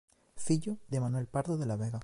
Fillo de Manuel Pardo de la Vega.